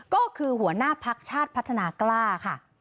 ก็คือหัวหน้าพักชาติพัฒนากล้าค่ะ